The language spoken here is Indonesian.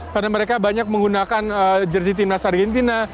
karena mereka banyak menggunakan jersi timnas argentina